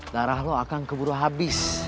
darah lo akan keburu habis